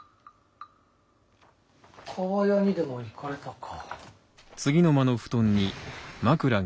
厠にでも行かれたか。